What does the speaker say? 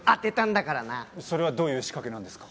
それはどういう仕掛けなんですか？